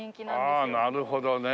ああなるほどね。